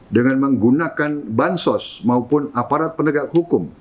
dengan menggunakan bansos maupun aparat penegak hukum